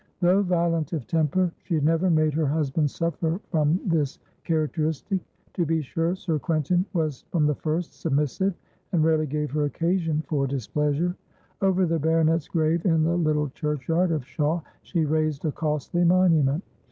Though violent of temper, she had never made her husband suffer from this characteristic; to be sure, Sir Quentin was from the first, submissive, and rarely gave her occasion for displeasure. Over the baronet's grave in the little churchyard of Shawe she raised a costly monument.